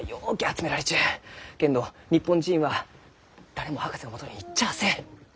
けんど日本人は誰も博士のもとに行っちゃあせん。